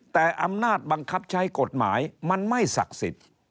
แต่อำนาจบังคับใช้กฎหมายมันไม่ศักดิ์สิทธิ์